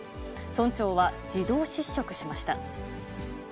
村長は自動失職しました。